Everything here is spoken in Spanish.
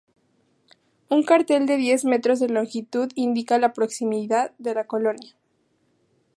Un cartel de diez metros de longitud indica la proximidad de la colina.